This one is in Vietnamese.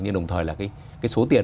nhưng đồng thời là cái số tiền